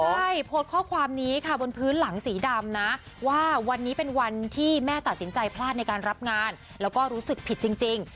ใช่โพสต์ข้อความนี้ค่ะบนพื้นหลังสีดำนะว่าวันนี้เป็นวันที่แม่ตัดสินใจพลาดในการรับงานแล้วก็รู้สึกผิดจริง